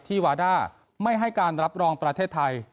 วาด้าไม่ให้การรับรองประเทศไทย